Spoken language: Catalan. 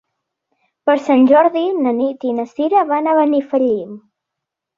Per Sant Jordi na Nit i na Sira van a Benifallim.